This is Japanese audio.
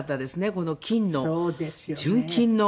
この金の純金の！